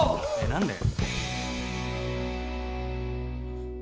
何で？